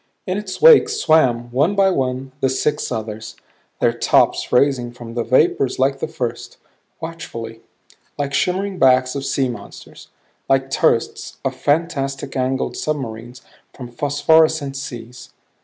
In its wake swam, one by one, six others their tops raising from the vapors like the first, watchfully; like shimmering backs of sea monsters; like turrets of fantastic angled submarines from phosphorescent seas.